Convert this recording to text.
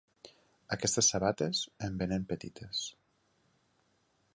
Aquestes sabates em venen petites.